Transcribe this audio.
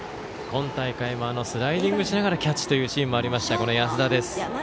今大会もスライディングしながらキャッチするというシーンもありました、安田です。